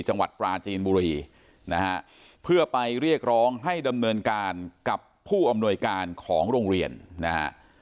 จังหวัดปราจีนบุรีนะฮะเพื่อไปเรียกร้องให้ดำเนินการกับผู้อำนวยการของโรงเรียนนะฮะ